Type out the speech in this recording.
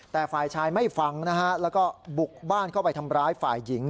แต่ฝ่ายชายไม่ฟังนะฮะแล้วก็บุกบ้านเข้าไปทำร้ายฝ่ายหญิง